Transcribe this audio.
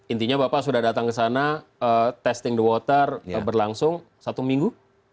intinya bapak sudah datang ke sana testing the water berlangsung satu minggu